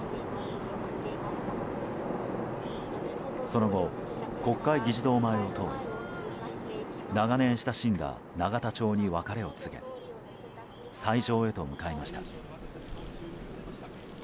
その後、国会議事堂前を通り長年親しんだ永田町に別れを告げ斎場へと向かいました。